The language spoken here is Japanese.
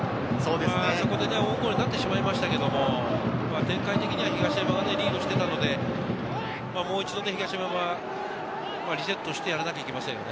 ここでオウンゴールになってしまいましたけど、展開的には東山がリードしてたので、もう一度、東山はリセットしてやらなきゃいけませんね。